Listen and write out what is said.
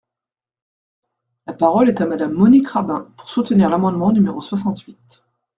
La parole est à Madame Monique Rabin, pour soutenir l’amendement numéro soixante-huit.